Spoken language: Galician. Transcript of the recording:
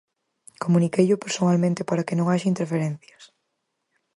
Comuniqueillo persoalmente para que non haxa interferencias.